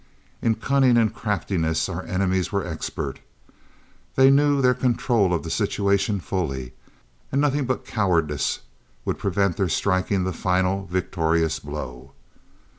In cunning and craftiness our enemies were expert; they knew their control of the situation fully, and nothing but cowardice would prevent their striking the final, victorious blow.